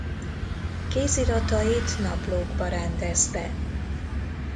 Kéziratait naplókba rendezte.